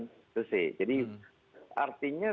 di sese jadi artinya